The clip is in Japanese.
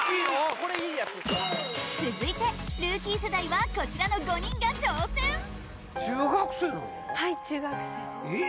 これいいやつ続いてルーキー世代はこちらの５人が挑戦はい中学生ですええ